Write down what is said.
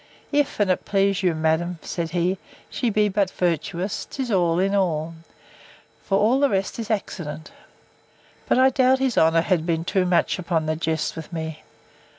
If, and please you, madam, said he, she be but virtuous, 'tis all in all: For all the rest is accident. But I doubt his honour has been too much upon the jest with me.